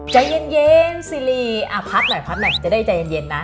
ใจเย็นซิริอะพัดหน่อยจะได้ใจเย็นนะ